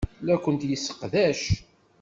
La kent-yesseqdac.